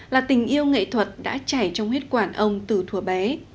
là tình yêu nghệ thuật đã chảy trong huyết quản ông từ thùa bé